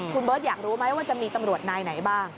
คุณเบิร์ตอยากรู้ไหมว่าจะมีตำรวจนายไหนบ้าง